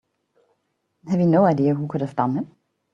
Have you no idea who could have done it?